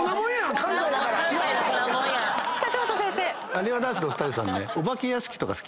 なにわ男子のお二人さん。